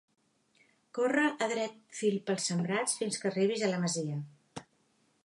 Corre a dret fil pels sembrats fins que arribis a la masia.